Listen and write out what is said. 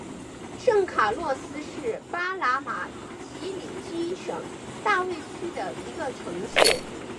圣卡洛斯是巴拿马奇里基省大卫区的一个城市。